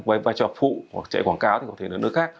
vai trò phụ hoặc chạy quảng cáo thì có thể đến nước khác